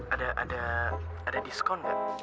ada diskon nggak